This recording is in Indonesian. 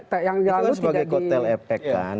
itu kan sebagai kotel efek kan